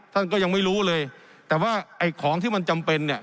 ท่านก็ยังไม่รู้เลยแต่ว่าไอ้ของที่มันจำเป็นเนี่ย